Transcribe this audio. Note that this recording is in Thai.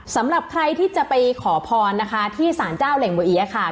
สำหรับใครที่จะไปขอพรนะคะที่สารเจ้าเหล่งบัวเอี๊ยะค่ะ